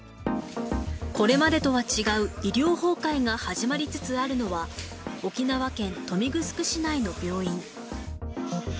これまでとは違う医療崩壊が始まりつつあるのは、沖縄県豊見城市内の病院。